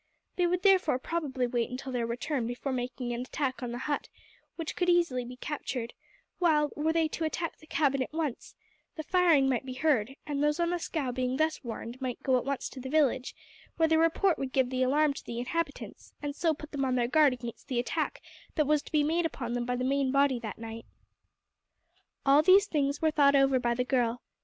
They would therefore probably wait until their return before making an attack on the hut, which could be easily captured; while, were they to attack the cabin at once, the firing might be heard, and those on the scow being thus warned might go at once to the village, where their report would give the alarm to the inhabitants, and so put them on their guard against the attack that was to be made upon them by the main body that night." All these things were thought over by the girl.